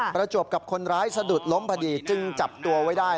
ประจวบกับคนร้ายสะดุดล้มพอดีจึงจับตัวไว้ได้